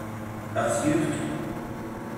Ad ɣ-t-yefk?